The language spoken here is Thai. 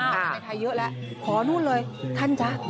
ขอนั่นเลยให้คุณแทนจ๊ะ